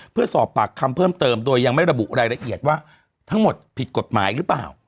เพื่อสอบปากคำเพิ่มเติมโดยยังไม่ระบุรายละเอียดว่าทั้งหมดผิดกฎหมายหรือเปล่า